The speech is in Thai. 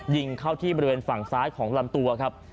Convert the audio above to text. ยิงเข้าที่บริเวณฝั่งซ้ายของลำตัวครับ